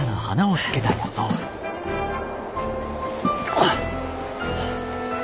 あっ！